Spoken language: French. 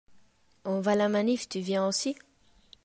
On va à la manif, tu viens aussi?